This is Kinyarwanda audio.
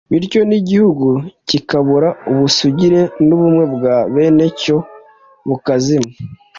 bityo n’igihugu kikabura ubusugire n’ubumwe bwa bene cyo bukazima